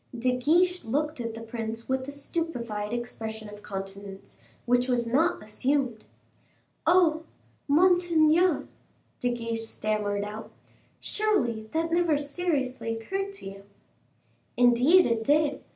De Guiche looked at the prince with a stupefied expression of countenance, which was not assumed. "Oh! monseigneur," De Guiche stammered out; "surely, that never seriously occurred to you." "Indeed it did.